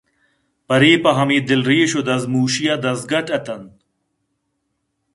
پرے پہ ہمے دلریش ءُدزموشی ءَ دزگٹّ اِت اَنت